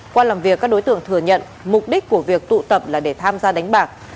qua làm việc các đối tượng thừa nhận mục đích của việc tụ tập là để tham gia đánh bạc